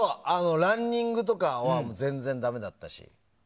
ランニングとかは全然ダメだったし。